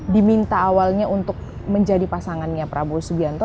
diminta awalnya untuk menjadi pasangannya prabowo subianto